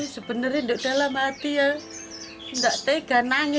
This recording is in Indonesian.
sebenarnya dalam hati ya nggak tega nangis